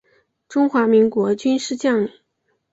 中华民国军事将领。